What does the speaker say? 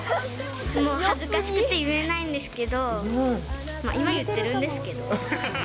もう恥ずかしくて言えないんですけど、まあ今言ってるんですけど。